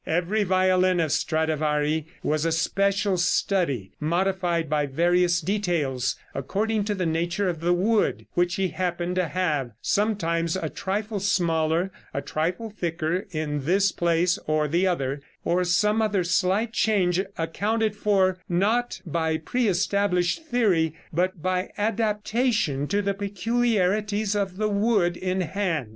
Every violin of Stradivari was a special study, modified in various details according to the nature of the wood which he happened to have, sometimes a trifle smaller, a trifle thicker in this place or the other, or some other slight change accounted for not by pre established theory, but by adaptation to the peculiarities of the wood in hand.